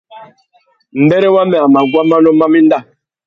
Mbêrê wamê a mà guá manô má méndá.